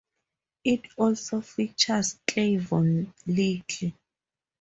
It also features Cleavon Little.